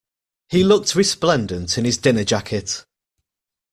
He looked resplendent in his dinner jacket